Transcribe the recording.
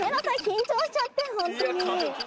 緊張しちゃってホントに。